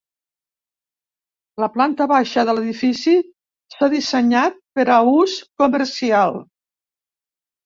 La planta baixa de l'edifici s'ha dissenyat per a ús comercial.